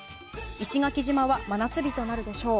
石垣島は真夏日となるでしょう。